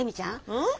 うん？